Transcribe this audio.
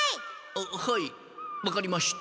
あっはいわかりました。